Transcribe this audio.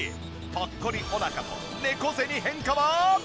ぽっこりお腹と猫背に変化は？